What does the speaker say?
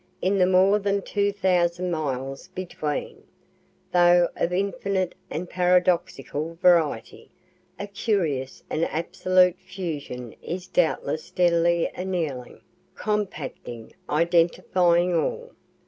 In the more than two thousand miles between, though of infinite and paradoxical variety, a curious and absolute fusion is doubtless steadily annealing, compacting, identifying all.